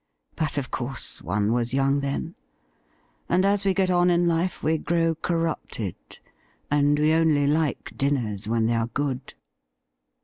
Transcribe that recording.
But, of course, one was young then, and as we get on in life we grow corrupted, and we only like dinners when they are good.'